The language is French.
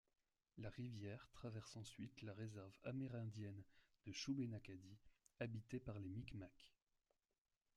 La rivière traverse ensuite la réserve amérindienne de Shubénacadie habitée par les Micmacs.